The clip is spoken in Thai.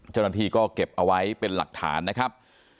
เจ้าหน้าที่ก็เก็บเอาไว้เป็นหลักฐานนะครับ